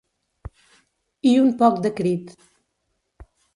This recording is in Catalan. I un poc de crit.